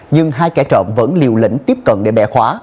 nhưng hai kẻ trộm vẫn liều lĩnh tiếp cận để bẻ khóa